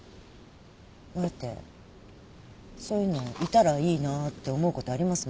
だってそういうのいたらいいなって思うことあります